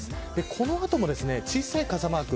この後も小さい傘マーク